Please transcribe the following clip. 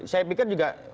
saya pikir juga